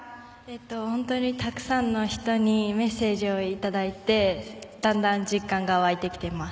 本当にたくさんの人にメッセージをいただいてだんだん実感が湧いてきています。